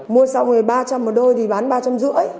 mua xong rồi ba trăm linh một đôi thì bán ba trăm năm mươi